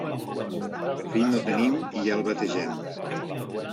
Fill no tenim i ja el bategem.